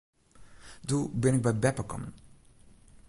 Doe bin ik by beppe kommen.